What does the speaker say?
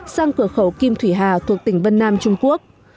sang cửa khẩu kim thủy hà thuộc tỉnh vân nam trung quốc